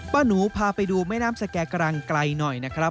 หนูพาไปดูแม่น้ำสแก่กำลังไกลหน่อยนะครับ